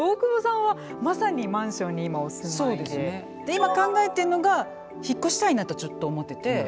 今考えてんのが引っ越したいなとちょっと思ってて。